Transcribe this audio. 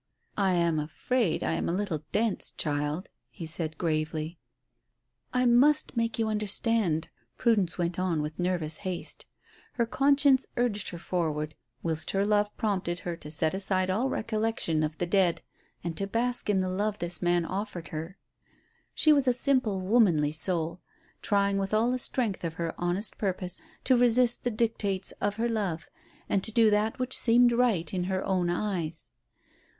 "I am afraid I am a little dense, child," he said gravely. "I must make you understand," Prudence went on with nervous haste. Her conscience urged her forward, whilst her love prompted her to set aside all recollection of the dead and to bask in the love this man offered her. She was a simple, womanly soul, trying with all the strength of her honest purpose to resist the dictates of her love, and to do that which seemed right in her own eyes.